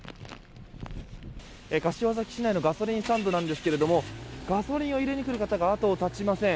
柏崎市内のガソリンスタンドなんですがガソリンを入れに来る方が後を絶ちません。